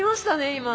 今。